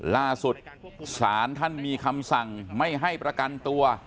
ล่าสุดศาลท่านมีคำสั่งไม่ให้ประกันตัว